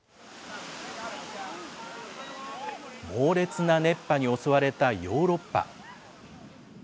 猛烈な熱波に襲われたヨーロッパ。